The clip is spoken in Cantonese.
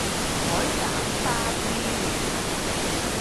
海膽花之戀